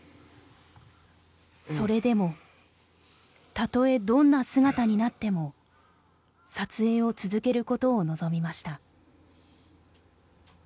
それでもたとえどんな姿になっても撮影を続けることを望みました。